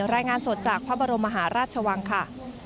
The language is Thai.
รายงานสดจากพระบรมมหาราชวังค่ะ